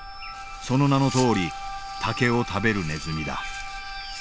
その名のとおり竹を食べるネズミだ。